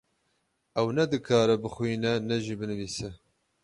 Ew ne dikare bixwîne ne jî binivîse.